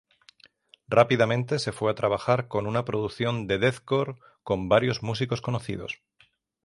Rápidamente se fue a trabajar con una producción de deathcore con varios músicos conocidos.